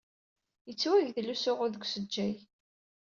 Yettwagdel usuɣu deg usejjay.